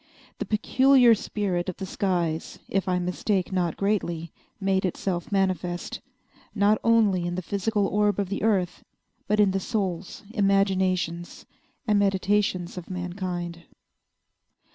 The peculiar spirit of the skies, if I mistake not greatly, made itself manifest, not only in the physical orb of the earth, but in the souls, imaginations, and meditations of mankind.